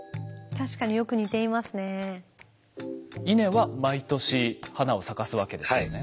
稲は毎年花を咲かすわけですよね？